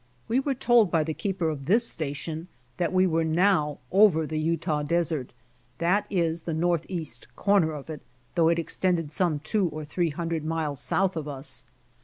We were told by the keeper of this station that 112 BY OX TEAM TO CALIFORNIA we were now over the Utah desert, that is the northeast corner of it, though it extended some two or three hundred miles south of us.